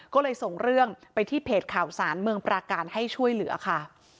ก็เลยส่งเรื่องไปที่เพจข่าวสารเมืองปราการให้ช่วยเหลือค่ะ